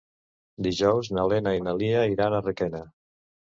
Dijous na Lena i na Lia iran a Requena.